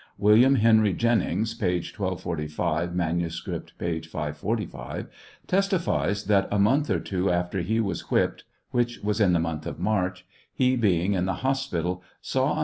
William Henry Jennings (p. 1245; manuscript, p. 545) testifies that a month or two after he was whipped, which was in the month of March, he being in the hospital, saw a m.